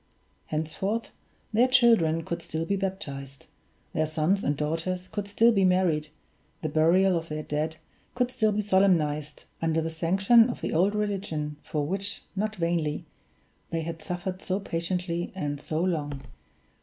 Henceforth, their children could still be baptized, their sons and daughters could still be married, the burial of their dead could still be solemnized, under the sanction of the old religion for which, not vainly, they had suffered so patiently and so long.